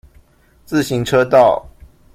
自行車道